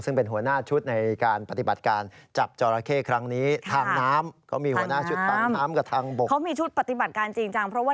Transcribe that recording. ซึ่งเป็นหัวหน้าชุดในการปฏิบัติการจับจอและเค่ครั้งนี้ทางน้ำเขามีหัวหน้าชุดทางน้ำกับทางบบ